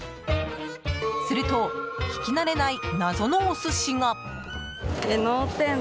すると聞き慣れない謎のお寿司が。